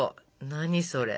何それ？